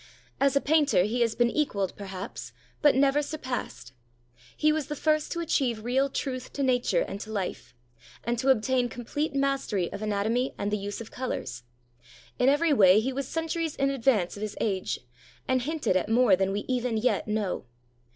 As a painter he has been equaled, perhaps, but never sur passed. He was the first to achieve real truth to nature and to life, and to obtain complete mastery of anatomy and the use of colors. In every way he was centuries in advance of his age, and hinted at more than we even yet know.